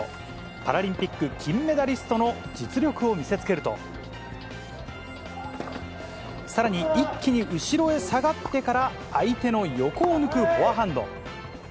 パラリンピック金メダリストの実力を見せつけると、さらに一気に後ろへ下がってから、相手の横を抜くフォアハンド。